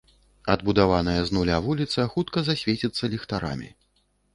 Адбудаваная з нуля вуліца хутка засвеціцца ліхтарамі.